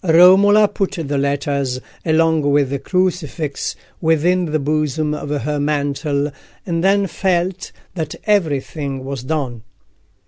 Romola put the letters, along with the crucifix, within the bosom of her mantle, and then felt that everything was done.